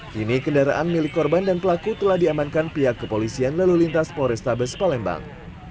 kini kendaraan milik korban dan pelaku telah diamankan pihak kepolisian lalu lintas polrestabes palembang